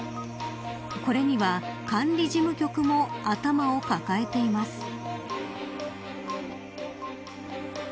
これには管理事務局も頭を抱えています。